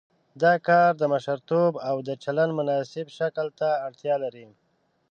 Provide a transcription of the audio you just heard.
دا کار د مشرتوب او د چلند مناسب شکل ته اړتیا لري.